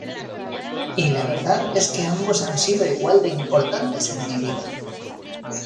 Y la verdad es que ambos han sido igual de importantes en mi vida.